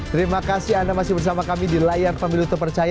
terima kasih anda masih bersama kami di layar pemilu terpercaya